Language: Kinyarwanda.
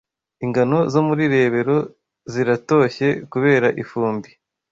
Ingano zo muri Rebero ziratoshye kubera ifumbi